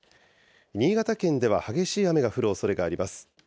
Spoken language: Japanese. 新潟県では激しい雨が降るおそれがあります。